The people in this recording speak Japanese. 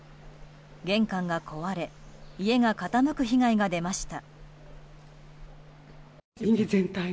玄関が壊れ家が傾く被害が出ました。